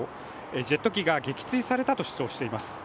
ジェット機が撃墜されたと主張しています。